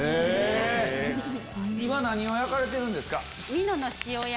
今何を焼かれてるんですか？